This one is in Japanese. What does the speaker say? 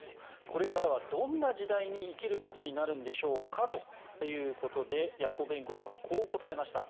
これからはどんな時代に生きることになるんでしょうか？ということでヤコベンコ氏はこう答えました。